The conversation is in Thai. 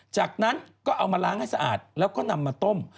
จากนั้นก็เอามาล้างให้สะอาดแล้วก็นำมาต้ม